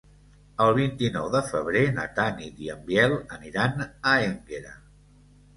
El vint-i-nou de febrer na Tanit i en Biel aniran a Énguera.